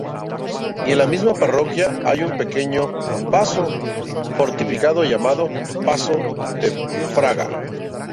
Y en la misma parroquia hay un pequeño pazo fortificado llamado "Pazo da Fraga".